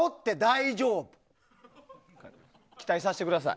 期待させてください。